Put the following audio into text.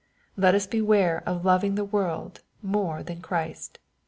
Let us beware of loving the world more than Christ.